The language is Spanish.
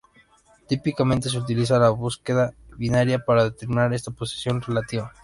Típicamente se utiliza la búsqueda binaria para determinar esta posición relativa.